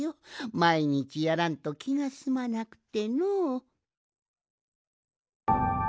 まいにちやらんときがすまなくてのう。